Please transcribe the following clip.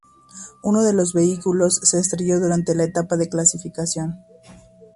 Uno de los vehículos se estrelló durante la etapa de clasificación.